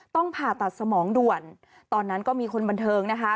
ผ่าตัดสมองด่วนตอนนั้นก็มีคนบันเทิงนะคะ